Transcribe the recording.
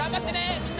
みんな！